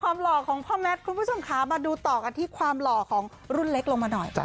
หล่อของพ่อแมทคุณผู้ชมค่ะมาดูต่อกันที่ความหล่อของรุ่นเล็กลงมาหน่อย